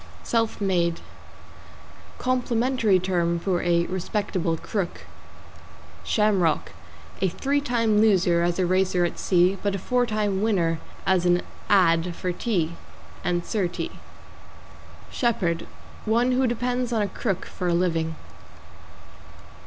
=SELF MADE= Complimentary term for a respectable crook. =SHAMROCK= A three time loser as a racer at sea, but a four time winner as an "ad." for tea and Sir T. =SHEPHERD= One who depends on a crook for a living.